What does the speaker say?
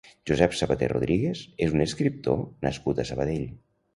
Josep Sabater Rodríguez és un escriptor nascut a Sabadell.